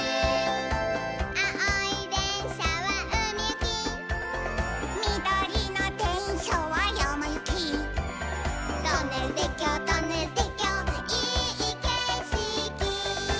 「あおいでんしゃはうみゆき」「みどりのでんしゃはやまゆき」「トンネルてっきょうトンネルてっきょういいけしき」